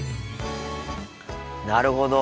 なるほど。